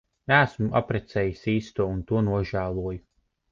Neesmu apprecējis īsto un to nožēloju.